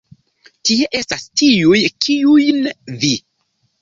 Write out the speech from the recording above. Tie estas tiuj, kiujn vi?